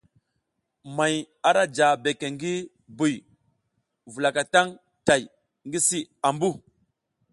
May ara ja beke ngi buy wulaka tang tay ngi si ambu.